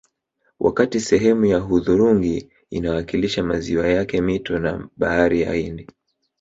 Wakati sehemu ya hudhurungi inawakilisha maziwa yake mito na Bahari ya Hindi